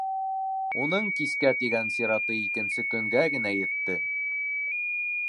Уның кискә тигән сираты икенсе көнгә генә етте.